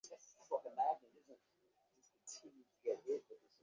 সুতরাং আমরা বলি, প্রশ্নটিকে যুক্তিসঙ্গতভাবে প্রকাশ করিতে পারিলেই আমরা উহার উত্তর দিব।